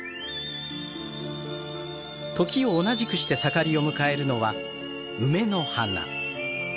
時を同じくして盛りを迎えるのは梅の花。